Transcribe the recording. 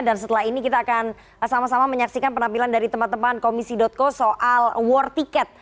dan setelah ini kita akan sama sama menyaksikan penampilan dari teman teman komisi co soal war ticket